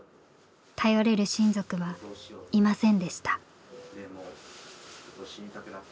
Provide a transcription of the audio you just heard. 頼れる親族はいませんでした。